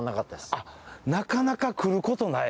あっなかなか来ることない。